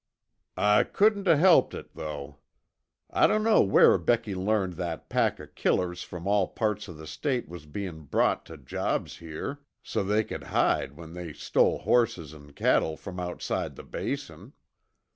"I couldn't o' helped it, though. I dunno where Becky learned that a pack o' killers from all parts o' the state was bein' brought tuh jobs here, so's they c'd hide while they stole hosses an' cattle from outside the Basin.